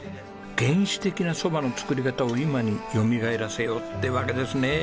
原始的な蕎麦の作り方を今によみがえらせようってわけですね。